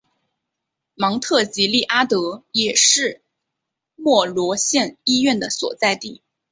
芒特吉利阿德也是莫罗县医院的所在地。